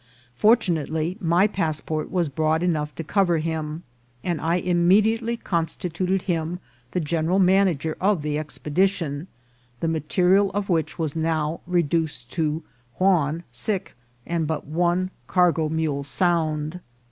Fortunately, my passport was broad enough to cover him, and I im mediately constituted him the general manager of the expedition, the material of which was now reduced to Juan sick and but one cargo mule sound.